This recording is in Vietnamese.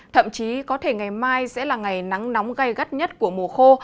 thậm chí có thể ngày mai sẽ là ngày nắng nóng gây gắt nhất của mùa khô